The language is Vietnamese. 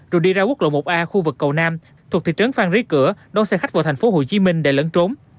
rồi đi ra quốc lộ một a khu vực cầu nam thuộc thị trấn phan rí cửa đón xe khách vào thành phố hồ chí minh để lẫn trốn